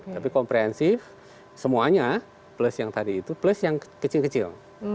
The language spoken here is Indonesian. tapi komprehensif semuanya plus yang tadi itu plus yang kecil kecil